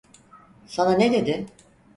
Sana ne dedi?